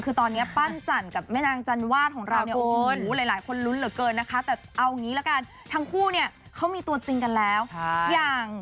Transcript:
แล้วก็มีหนุ่มต้งที่เพลินจะกลับมาคบกันนะคะ